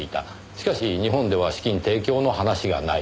しかし日本では資金提供の話がない。